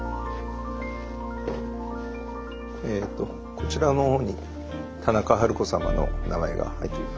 こちらの方に田中春子様の名前が入っております。